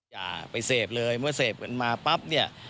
อย่าไปเสพเลยเมื่อเสพกันมาปั๊บเนี่ย